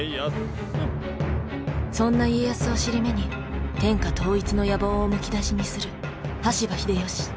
そんな家康を尻目に天下統一の野望をむき出しにする羽柴秀吉。